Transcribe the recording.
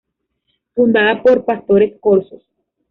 Fundada por pastores corsos.